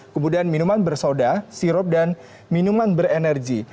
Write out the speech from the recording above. kemudian minuman bersoda sirup dan minuman berenergi